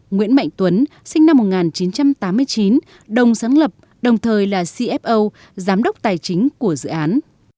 nguyễn mạnh tuấn sinh năm một nghìn chín trăm tám mươi chín đồng sáng lập đồng thời là cfo giám đốc tài chính của dự án